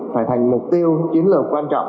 phải thành mục tiêu chiến lược quan trọng